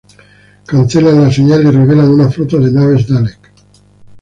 Cancelan la señal y revelan una flota de naves Dalek.